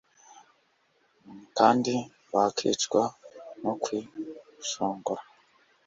kandi bakicwa no kwishongora